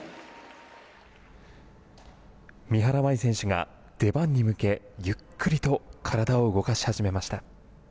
三原舞依選手が出番に向けゆっくりと体を動かし始めました。